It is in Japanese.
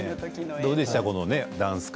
どうでしたか？